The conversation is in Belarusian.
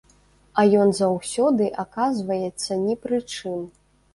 А ён заўсёды аказваецца ні пры чым.